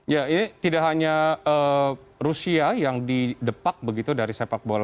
ya ini tidak hanya rusia yang didepak begitu dari sepak bola